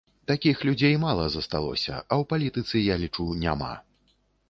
Такіх людзей мала засталося, а ў палітыцы, я лічу, няма.